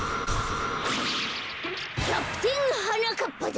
キャプテンはなかっぱだ！